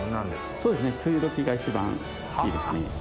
そうですね梅雨時が一番いいですね。